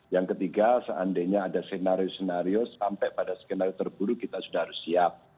yang ketiga seandainya ada senario senario sampai pada senario terburu kita sudah harus siap